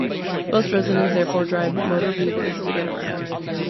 Most residents therefore drive motor vehicles to get around.